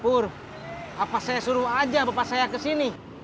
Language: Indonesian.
apa saya suruh aja bapak saya ke sini